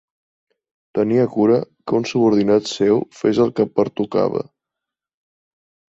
Tenia cura que un subordinat seu fes el que pertocava.